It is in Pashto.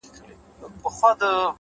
نیک اخلاق د انسان وقار لوړوي,